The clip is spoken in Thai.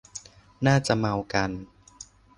น่าจะเมากัน